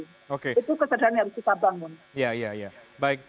itu kesadaran yang harus kita bangun